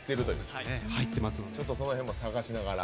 ちょっとその辺も探しながら。